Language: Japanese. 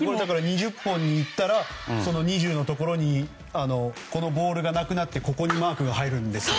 ２０本に行ったらこの２０のところにこのボールがなくなって２０のところにマークが入るんですよ。